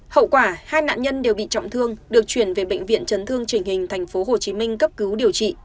hậu quả hai nạn nhân đều bị trọng thương được chuyển về bệnh viện chấn thương trình hình tp hcm cấp cứu điều trị